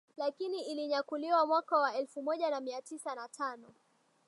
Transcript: lakini ilinyakuliwa mwaka wa elfu moja na mia tisa na tano